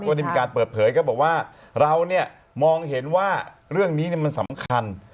ได้มีการเปิดเผยก็บอกว่าเราเนี่ยมองเห็นว่าเรื่องนี้มันสำคัญ